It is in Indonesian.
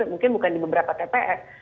mungkin bukan di beberapa tps